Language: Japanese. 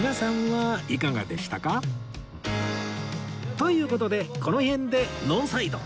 という事でこの辺でノーサイド